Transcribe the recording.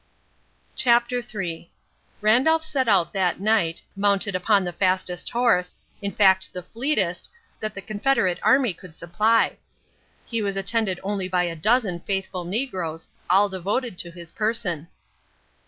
CHAPTER III Randolph set out that night, mounted upon the fastest horse, in fact the fleetest, that the Confederate Army could supply. He was attended only by a dozen faithful negroes, all devoted to his person.